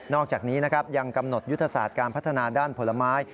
อกจากนี้นะครับยังกำหนดยุทธศาสตร์การพัฒนาด้านผลไม้